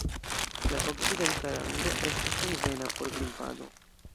La Okcidenta rando estas konvena por grimpado.